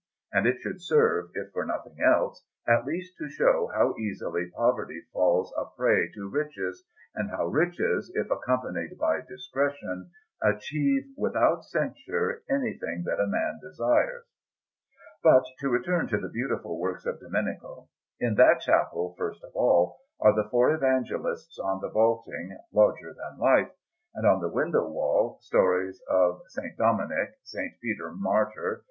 And it should serve, if for nothing else, at least to show how easily poverty falls a prey to riches, and how riches, if accompanied by discretion, achieve without censure anything that a man desires. [Illustration: DOMENICO GHIRLANDAJO: THE VISION OF S. FINA (San Gimignano. Fresco)] But to return to the beautiful works of Domenico; in that chapel, first of all, are the four Evangelists on the vaulting, larger than life; and, on the window wall, stories of S. Dominic, S. Peter Martyr, S.